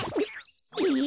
え？